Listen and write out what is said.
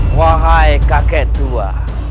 wahai kakek tua